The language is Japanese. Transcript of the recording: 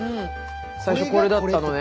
最初これだったのね。